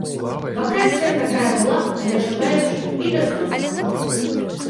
Вакансія такая была, але жадаючых і без нас хапала.